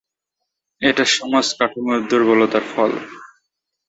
এটা সমাজ কাঠামোর দুর্বলতার ফল।